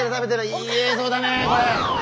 いい映像だねこれ。